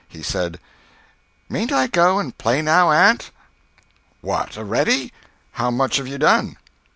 He said: "Mayn't I go and play now, aunt?" "What, a'ready? How much have you done?"